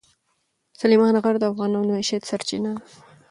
سلیمان غر د افغانانو د معیشت سرچینه ده.